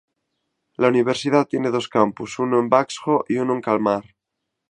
La universidad tiene dos campus, uno en Växjö y uno en Kalmar.